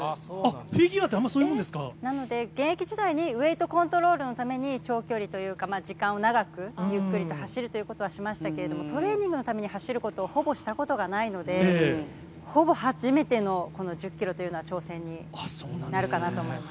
フィギュアってそういうものなので、現役時代にウエイトコントロールのために長距離というか、時間を長く、ゆっくりと走るということはしましたけれども、トレーニングのために走ることをほぼしたことがないので、ほぼ初めての、この１０キロというのは挑戦になるかなと思います。